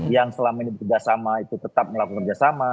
yang selama ini bekerjasama itu tetap melakukan kerjasama